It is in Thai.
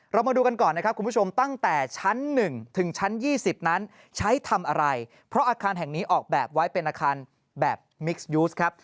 มาดูกันก่อนนะครับคุณผู้ชมตั้งแต่ชั้น๑ถึงชั้น๒๐นั้นใช้ทำอะไรเพราะอาคารแห่งนี้ออกแบบไว้เป็นอาคารแบบมิกซยูสครับ